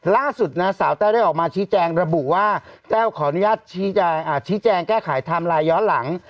ล่าสุดนะสาวแต้วได้ออกมาชี้แจงระบุว่าแต้วขออนุญาตชี้แจงแก้ไขไทม์ไลน์ย้อนหลัง